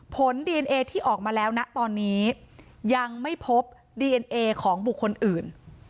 ผลดีเอนเอที่ออกมาแล้วนะตอนนี้ยังไม่พบดีเอ็นเอของบุคคลอื่น